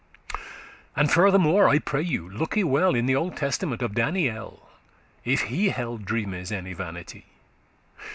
And furthermore, I pray you looke well In the Old Testament, of Daniel, If he held dreames any vanity.